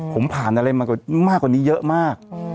ผมผ่านอะไรมามากกว่านี้เยอะมาก